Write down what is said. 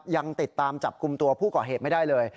ยังติดตามจับกลุ่มตัวผู้ก่อเหตุไม่ได้เลย